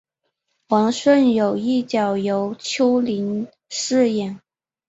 王顺友一角由邱林饰演。